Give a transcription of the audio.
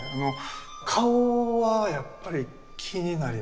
顔はやっぱり気になりましたね。